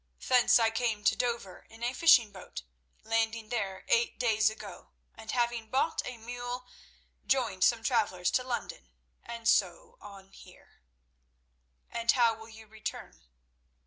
Thence I came to Dover in a fishing boat, landing there eight days ago, and having bought a mule, joined some travellers to London, and so on here." "And how will you return?"